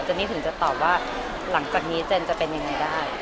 นี่ถึงจะตอบว่าหลังจากนี้เจนจะเป็นยังไงได้